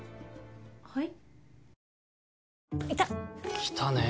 はい？